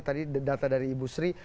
tadi data dari ibu sri